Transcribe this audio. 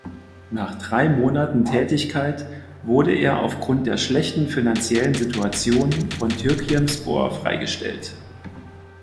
Nach drei Monaten Tätigkeit wurde er aufgrund der schlechten finanziellen Situation von Türkiyemspor freigestellt.